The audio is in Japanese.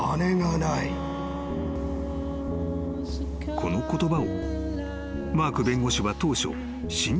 ［この言葉を当初］